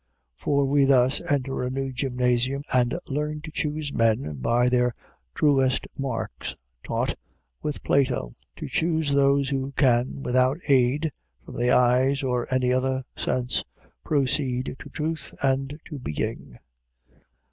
For we thus enter a new gymnasium, and learn to choose men by their truest marks, taught, with Plato, "to choose those who can, without aid from the eyes or any other sense, proceed to truth and to being."